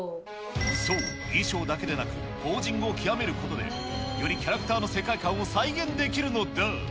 そう、衣装だけでなく、ポージングを極めることで、よりキャラクターの世界観を再現できるのだ。